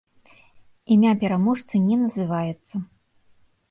Імя пераможцы не называецца.